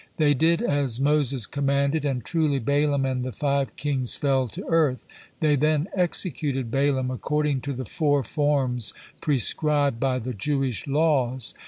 They did as Moses commanded, and truly Balaam and the five kings fell to earth. They then executed Balaam according to the four forms prescribed by the Jewish laws.